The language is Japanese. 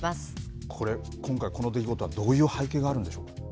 これ、今回、この出来事は、どういう背景があるんでしょうか。